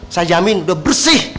saya jamin udah bersih